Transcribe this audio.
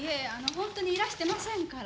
本当にいらしてませんから！